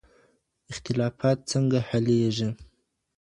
اختلافات څنګه حلیږي؟